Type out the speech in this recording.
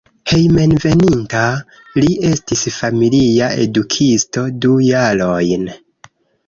Hejmenveninta li estis familia edukisto du jarojn.